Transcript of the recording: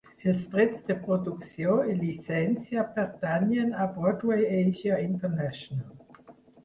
Els drets de producció i llicència pertanyen a Broadway Asia International.